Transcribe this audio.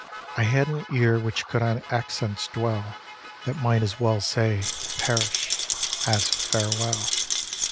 I had an ear which could on accents dwell That might as well say "perish!" as "farewell!"